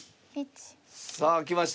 さあ来ました。